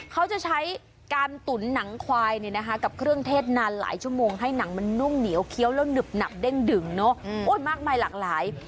เขาจะใช้การตุ๋นหนังควายกับเครื่องเทศนานหลายชั่วโมงให้หนังมันนุ่มเหนียวเคี้ยวแล้วหนึบหนับเด้งดึงมากมายหลากหลาย